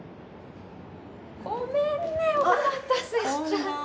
ごめんねお待たせしちゃって。